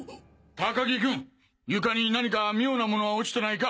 高木君床に何か妙なものは落ちてないか？